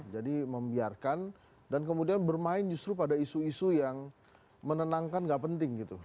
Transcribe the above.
jadi membiarkan dan kemudian bermain justru pada isu isu yang menenangkan gak penting gitu